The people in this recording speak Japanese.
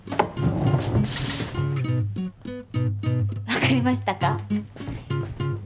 わかりましたか？